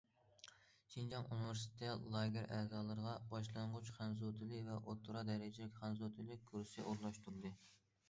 شىنجاڭ ئۇنىۋېرسىتېتى لاگېر ئەزالىرىغا باشلانغۇچ خەنزۇ تىلى ۋە ئوتتۇرا دەرىجىلىك خەنزۇ تىلى كۇرسى ئورۇنلاشتۇردى.